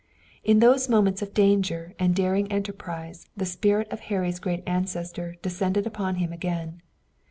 In those moments of danger and daring enterprise the spirit of Harry's great ancestor descended upon him again.